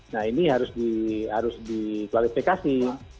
nah ini harus dikualifikasi